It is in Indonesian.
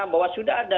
bahwa sudah ada